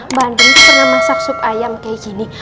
mbak andin pernah masak sup ayam kayak gini